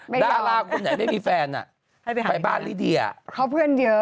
เลยนะมีหลายคู่และจริงเหรอ